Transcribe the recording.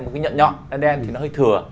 một cái nhọn nhọn en đen thì nó hơi thừa